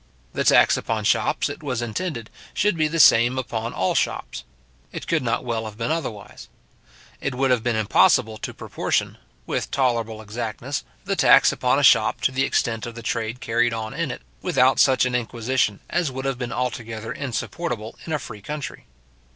The tax upon shops, it was intended, should be the same upon all shops. It could not well have been otherwise. It would have been impossible to proportion, with tolerable exactness, the tax upon a shop to the extent of the trade carried on in it, without such an inquisition as would have been altogether insupportable in a free country.